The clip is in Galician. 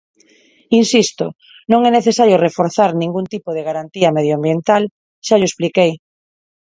Insisto, non é necesario reforzar ningún tipo de garantía medioambiental, xa llo expliquei.